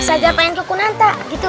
sajar pengen ke kunanta gitu